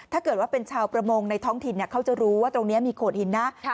ถ้าเกิดว่าเป็นชาวประมงในท้องถิ่นเขาจะรู้ว่าตรงนี้มีโขดหินนะ